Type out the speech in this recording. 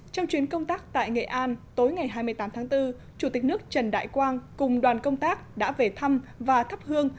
trong chuyến công tác tại nghệ an tối ngày hai mươi tám tháng bốn chủ tịch nước trần đại quang cùng đoàn công tác đã về thăm và thắp hương